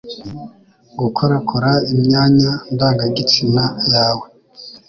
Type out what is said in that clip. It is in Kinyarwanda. gukorakora imyanya ndangagitsina yawe